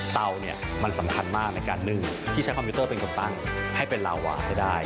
เตาเนี่ยมันสำคัญมากในการนึ่งที่ใช้คอมพิวเตอร์เป็นคนตั้งให้เป็นลาวาให้ได้